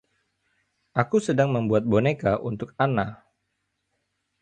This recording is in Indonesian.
Aku sedang membuat boneka untuk Anna.